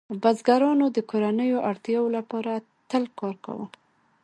بزګرانو د کورنیو اړتیاوو لپاره تل کار کاوه.